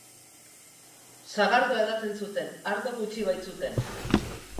Sagardoa edaten zuten, ardo gutxi baitzuten.